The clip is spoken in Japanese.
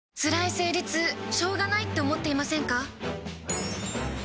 生理痛しょうがないって思っていませんか？